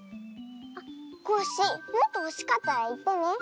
あっコッシーもっとほしかったらいってね。